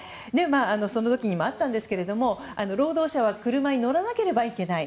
その時にもあったんですが労働者は車に乗らなければいけない。